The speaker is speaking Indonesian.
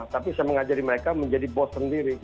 tapi saya mengajari mereka menjadi bos sendiri